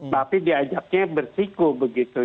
tapi diajaknya bersiku begitu